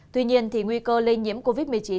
tuy nhiên nguy cơ lây nhiễm covid một mươi chín